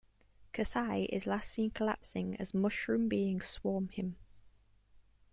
Kasai is last seen collapsing as mushroom beings swarm him.